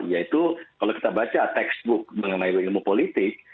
yaitu kalau kita baca textbook mengenai ilmu politik